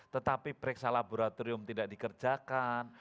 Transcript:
tetapi periksa laboratorium tidak dikerjakan